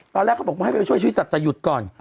ตอนแรกเค้าบอกให้ไปช่วยชีวิตศัตริยุทธ์หยุดก่อน